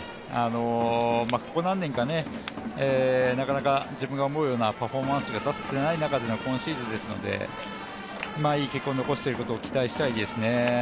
ここ何年か、なかなか自分が思うようなパフォーマンスが出せていない中の今シーズンですのでいい結果を残していくことを期待したいですね。